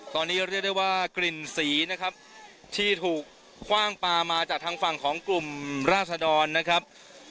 ตอนนี้เรียกได้ว่ากลิ่นสีนะครับที่ถูกคว่างปลามาจากทางฝั่งของกลุ่มราศดรนะครับ